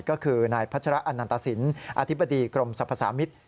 ก็คือนายพัชระอนันตสินอธิบดีกรมสรรพสามิตร